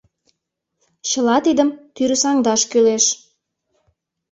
Чыла тидым тӱрысаҥдаш кӱлеш.